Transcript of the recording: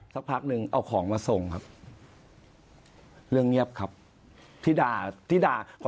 สักพักหนึ่งเอาของมาส่งครับเรื่องเงียบครับที่ด่าที่ด่า